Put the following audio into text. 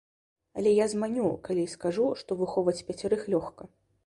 Але я зманю, калі скажу, што выхоўваць пяцярых лёгка!